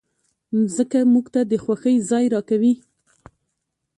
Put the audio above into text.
مځکه موږ ته د خوښۍ ځای راکوي.